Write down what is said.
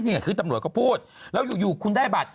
นี่คือตำรวจก็พูดแล้วอยู่คุณได้บัตร